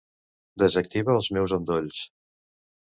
Desactiva els meus endolls.